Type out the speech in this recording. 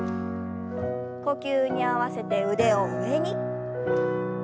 呼吸に合わせて腕を上に。